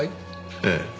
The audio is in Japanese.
ええ。